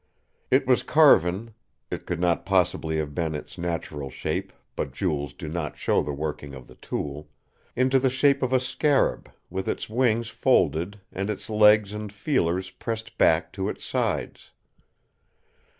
It was carven—it could not possibly have been its natural shape, but jewels do not show the working of the tool—into the shape of a scarab, with its wings folded, and its legs and feelers pressed back to its sides.